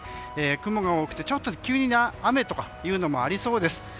雲が多くて、急な雨というのもありそうです。